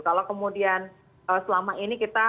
kalau kemudian selama ini kita